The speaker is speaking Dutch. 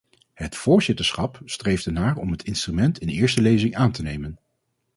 Het voorzitterschap streeft ernaar om het instrument in eerste lezing aan te nemen.